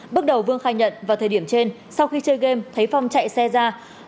bước đầu vương khai nhận vào thời điểm trên sau khi chơi game thấy phong chạy xe ra